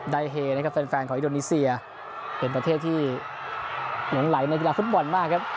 เฮนะครับแฟนของอินโดนีเซียเป็นประเทศที่หลงไหลในกีฬาฟุตบอลมากครับ